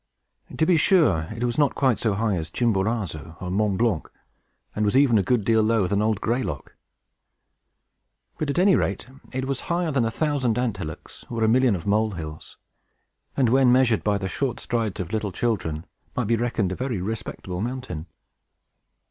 To be sure, it was not quite so high as Chimborazo or Mont Blanc, and was even a good deal lower than old Graylock. But, at any rate, it was higher than a thousand ant hillocks or a million of mole hills; and, when measured by the short strides of little children, might be reckoned a very respectable mountain.